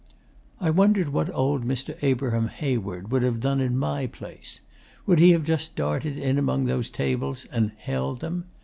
'I wondered what old Mr. Abraham Hayward would have done in my place. Would he have just darted in among those tables and "held" them?